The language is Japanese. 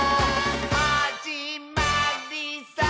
「はじまりさー」